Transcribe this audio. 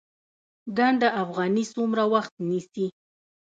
ګنډ افغاني څومره وخت نیسي؟